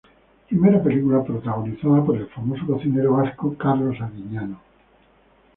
Primera película protagonizada por el famoso cocinero vasco Karlos Arguiñano.